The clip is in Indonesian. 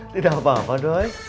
tidak apa apa doi